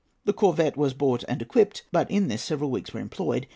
The corvette was bought and equipped; but in this several weeks were employed.